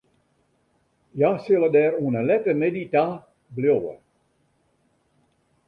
Hja sille der oan 'e lette middei ta bliuwe.